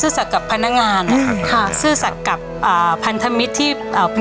ซื่อสรรค์กับพนักงานค่ะซื่อสรรค์กับอ่าพันธมิตรที่เอ่อ